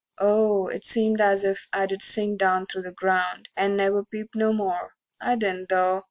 Oh, It seemed as if I'd sink down through the ground, And never peep no more I didn't, though.